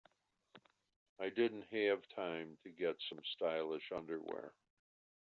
I didn't have time to get some stylish underwear.